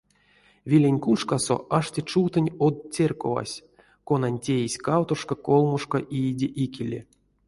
Веленть куншкасо ашти чувтонь од церьковась, конань теизь кавтошка-колмошка иеде икеле.